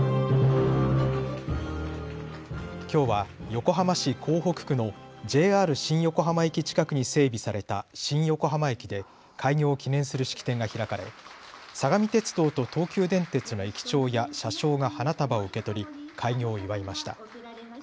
きょうは横浜市港北区のＪＲ新横浜駅近くに整備された新横浜駅で開業を記念する式典が開かれ、相模鉄道と東急電鉄の駅長や車掌が花束を受け取り開業を祝いました。